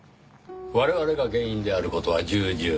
我々が原因である事は重々承知。